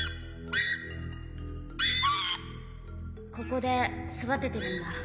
ここで育ててるんだ。